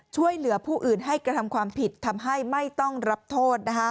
ช่วยเหลือผู้อื่นให้กระทำความผิดทำให้ไม่ต้องรับโทษ